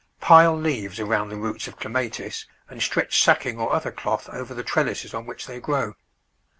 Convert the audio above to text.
Pile leaves around the roots of Clematis, and stretch sacking or other cloth over the trellises on which they grow.